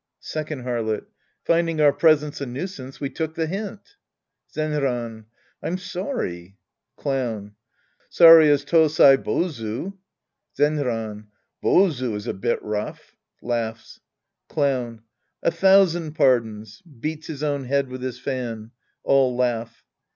Second Harlot. Finding our presence a nuisance, we took the Mnt. Zenran. I'm sorry. Clown. Sorry as Tosaibozu. Zenran. " Bozu " is a bit rough. {Lauglis.) Clown. A thousand pardons. {Beats his own head with his fan. All laugh.)